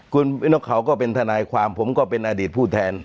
คุณนกเขาก็เป็นทนายความผมก็เป็นอดีตผู้แทน